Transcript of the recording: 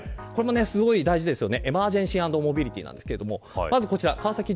すごい大事ですよね。